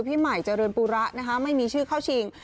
พี่ใหม่เจริญปูระนะคะไม่มีชื่อเข้าชิง